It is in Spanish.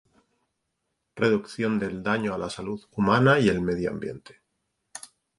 Reducción del daño a la salud humana y el medio ambiente.